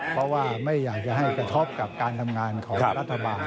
เพราะว่าไม่อยากจะให้กระทบกับการทำงานของรัฐบาล